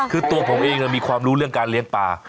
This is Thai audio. คือตัวผมเองมีความรู้เรื่องการเลี้ยงปลา